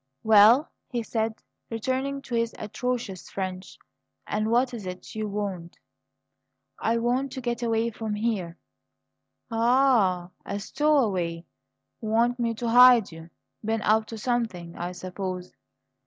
"Well," he said, returning to his atrocious French; "and what is it you want?" "I want to get away from here " "Aha! Stowaway! Want me to hide you? Been up to something, I suppose.